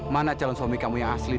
mana calon suami kamu yang asli